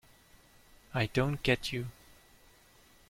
I don't get you.